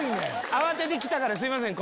「慌てて来たからすいません